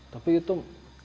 tapi itu merupakan